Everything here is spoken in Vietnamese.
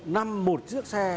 một năm một chiếc xe